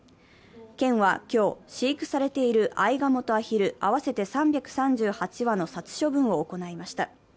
県は今日、飼育されているあいがもとあひる、合わせて３３８羽の殺処分を行いました。